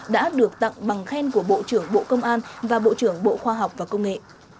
đã được tặng bằng khen của bộ trưởng bộ công an và bộ trưởng bộ khoa học và công nghệ